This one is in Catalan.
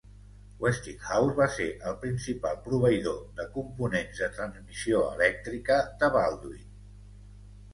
Westinghouse va ser el principal proveïdor de components de transmissió elèctrica de Baldwin.